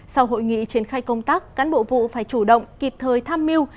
sau hội nghị triển khai công tác cán bộ vụ phải chủ động kịp thời tham mưu